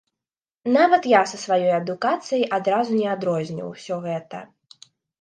Нават я са сваёй адукацыяй адразу не адрозню ўсё гэта.